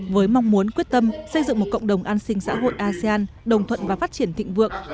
với mong muốn quyết tâm xây dựng một cộng đồng an sinh xã hội asean đồng thuận và phát triển thịnh vượng